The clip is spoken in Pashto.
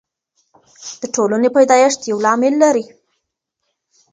د ټولني پیدایښت یو لامل لري.